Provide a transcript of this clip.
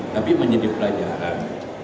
tapi menjadi pelajaran